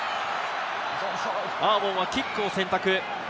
アーウォンはキックを選択。